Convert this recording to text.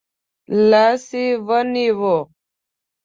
لاس يې ونیو.